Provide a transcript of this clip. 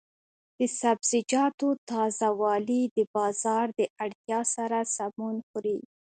د سبزیجاتو تازه والي د بازار د اړتیا سره سمون خوري.